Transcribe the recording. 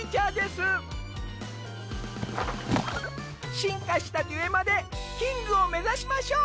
進化したデュエマでキングを目指しましょう。